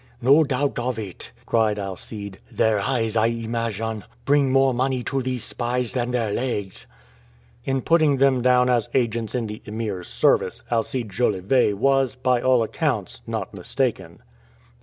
"No doubt of it," cried Alcide. "Their eyes, I imagine, bring more money to these spies than their legs." In putting them down as agents in the Emir's service, Alcide Jolivet was, by all accounts, not mistaken.